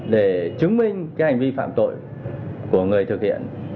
để chứng minh hành vi phạm tội của người thực hiện